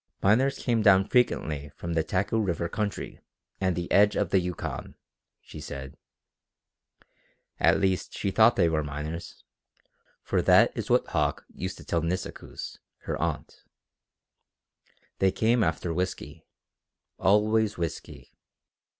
Miners came down frequently from the Taku River country and the edge of the Yukon, she said. At least she thought they were miners, for that is what Hauck used to tell Nisikoos, her aunt. They came after whisky. Always whisky.